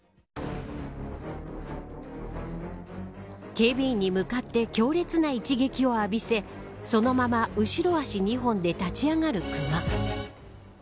警備員に向かって強烈な一撃を浴びせそのまま後ろ足２本で立ち上がる熊。